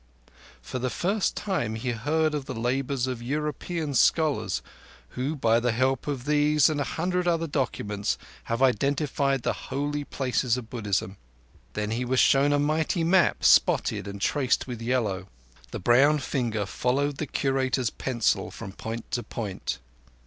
For the first time he heard of the labours of European scholars, who by the help of these and a hundred other documents have identified the Holy Places of Buddhism. Then he was shown a mighty map, spotted and traced with yellow. The brown finger followed the Curator's pencil from point to point.